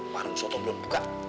warung soto belum buka